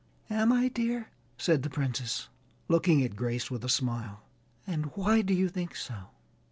"Am I, dear?" said the Princess, looking at Grace with a smile, "and why do you think so?"